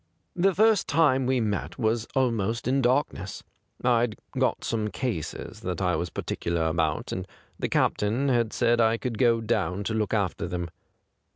' The first time we met was almost in darkness. I'd got some cases that I was particular about, and the captain had said I could go down to look after them.